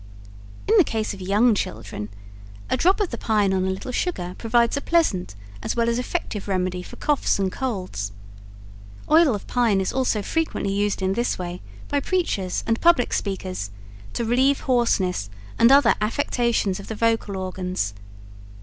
In the case of young children, a drop of the pine on a little sugar provides a pleasant, as well as effective remedy for coughs and colds. Oil of pine is also frequently used in this way by preachers and public speakers, to relieve hoarseness and other affections of the vocal organs.